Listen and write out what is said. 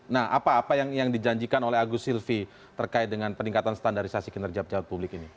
nah apa apa yang dijanjikan oleh agus silvi terkait dengan peningkatan standarisasi kinerja pejabat publik ini